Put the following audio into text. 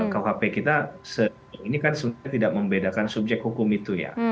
kuhp kita ini kan sebenarnya tidak membedakan subjek hukum itu ya